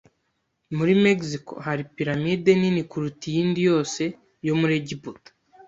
Muri Mexico hari piramide nini kuruta iyindi yose yo muri Egiputa.